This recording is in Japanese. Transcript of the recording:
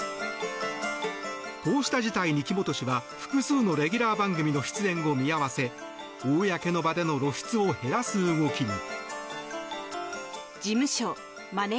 こうした事態に木本氏は複数のレギュラー番組の出演を見合わせ公の場での露出を減らす動きに。